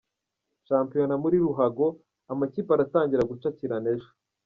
Shampiyona muri ruhago amakipe aratangira gucakirana ejo